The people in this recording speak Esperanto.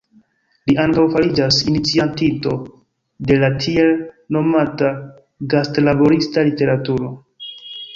Li ankaŭ fariĝas iniciatinto de la tiel nomata gastlaborista literaturo.